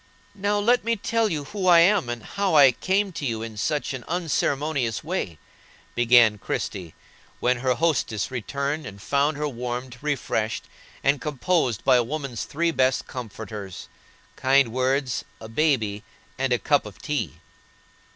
"Now let me tell you who I am, and how I came to you in such an unceremonious way," began Christie, when her hostess returned and found her warmed, refreshed, and composed by a woman's three best comforters,—kind words, a baby, and a cup of tea.